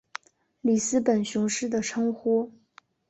里斯本雄狮的称呼。